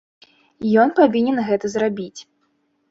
Ён павінен гэта зрабіць.